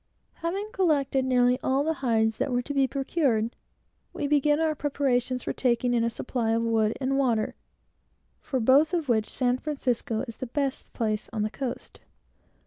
Having collected nearly all the hides that were to be procured, we began our preparations for taking in a supply of wood and water, for both of which, San Francisco is the best place on the coast.